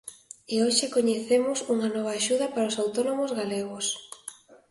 E hoxe coñecemos unha nova axuda para os autónomos galegos.